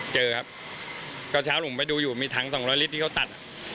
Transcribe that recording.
เจอก็เจอดูอยู่เทลาไปดูอยู่มีทั้ง๒๐๐ลิตรที่เขาตัด